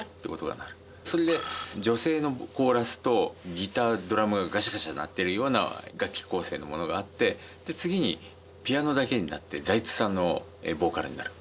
それで女性のコーラスとギタードラムがガシャガシャ鳴ってるような楽器構成のものがあって次にピアノだけになって財津さんのボーカルになる。